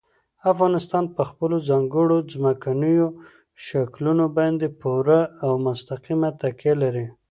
افغانستان په خپلو ځانګړو ځمکنیو شکلونو باندې پوره او مستقیمه تکیه لري.